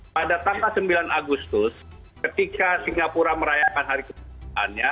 pada tanggal sembilan agustus ketika singapura merayakan hari kemerdekaannya